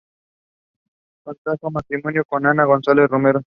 Contrajo matrimonio con Ana González Romero.